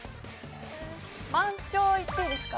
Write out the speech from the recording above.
満潮いっていいですか？